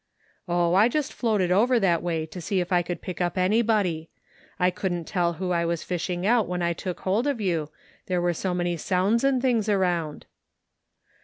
" Oh, I just floated over that way to see if I could pick up anybody. I couldn't tell who I was fishing out when I took hold of you, there were so many sounds and things around."